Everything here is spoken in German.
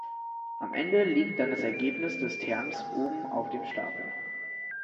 Am Ende liegt dann das Ergebnis des Terms oben auf dem Stapel.